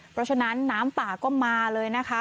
เพราะฉะนั้นน้ำป่าก็มาเลยนะคะ